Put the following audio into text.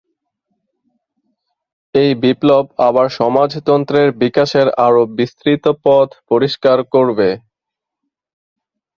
এই বিপ্লব আবার সমাজতন্ত্রের বিকাশের আরো বিস্তৃত পথ পরিষ্কার করবে।